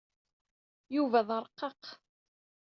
Yuba d arqaq.